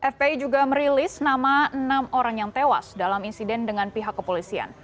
fpi juga merilis nama enam orang yang tewas dalam insiden dengan pihak kepolisian